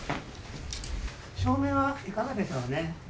照明はいかがでしょうね。